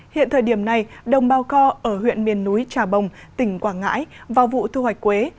hiện thời điểm này đồng bào co ở huyện miền núi trà bồng tỉnh quảng ngãi vào vụ thu hoạch quế